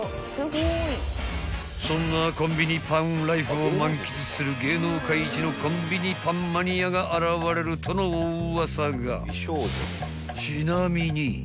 ［そんなコンビニパンライフを満喫する芸能界一のコンビニパンマニアが現れるとのおウワサが］